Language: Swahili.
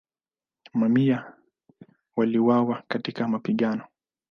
Mamia waliuawa katika mapigano.